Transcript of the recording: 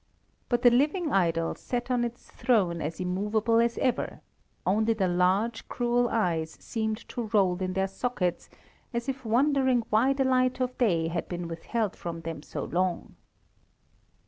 But the living idol sat on its throne as immovable as ever, only the large, cruel eyes seemed to roll in their sockets as if wondering why the light of day had been withheld from them so long.